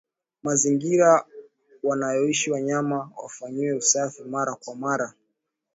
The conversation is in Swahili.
Mazingira wanayoishi wanyama yafanyiwe usafi mara kwa mara